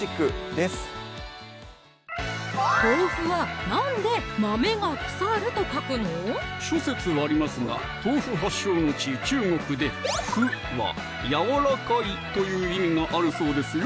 です諸説ありますが豆腐発祥の地・中国で「腐」は「やわらかい」という意味があるそうですよ